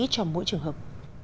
cho mỗi trường hợp